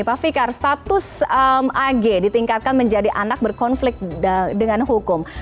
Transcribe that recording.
pak fikar status ag ditingkatkan menjadi anak berkonflik dengan hukum